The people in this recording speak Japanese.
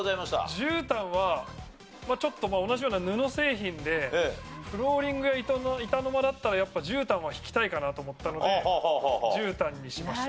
じゅうたんは同じような布製品でフローリングや板の間だったらやっぱじゅうたんは敷きたいかなと思ったのでじゅうたんにしました。